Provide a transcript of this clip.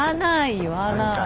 言わないよ